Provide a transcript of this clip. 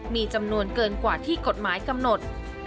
มีจำนวนเกินกว่าที่กฎหมายกำหนด